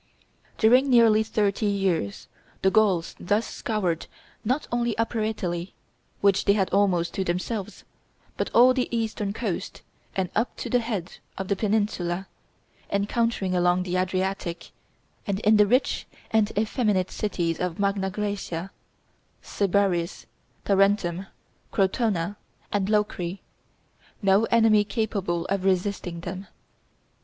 During nearly thirty years the Gauls thus scoured not only Upper Italy, which they had almost to themselves, but all the eastern coast, and up to the head of the peninsula, encountering along the Adriatic, and in the rich and effeminate cities of Magna Graecia, Sybaris, Tarentum, Crotona, and Locri, no enemy capable of resisting them.